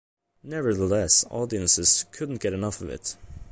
Nevertheless, audiences couldn't get enough of it.